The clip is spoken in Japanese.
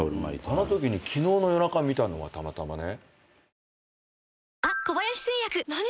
あのときに昨日の夜中見たのはたまたまね。